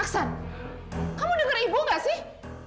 aksan kamu dengar ibu nggak sih